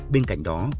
bên cạnh đó